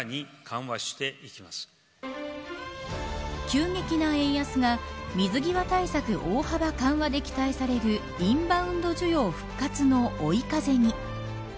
急激な円安が水際対策大幅緩和で期待されるインバウンド需要復活の追い風に。